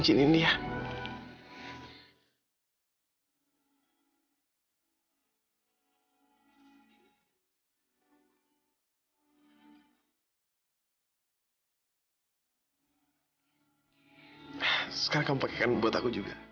sebentar kok sebentar